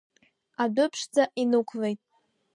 Адәы ԥшӡа инықәлеит.